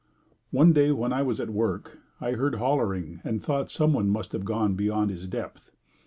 One day when I was at work I heard hollering and thought someone must have gone beyond his depth.